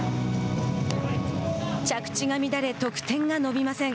着地が乱れ、得点が伸びません。